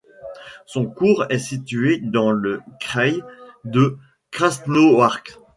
Son cours est situé dans le kraï de Krasnoïarsk.